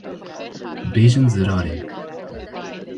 Bêjin zirarê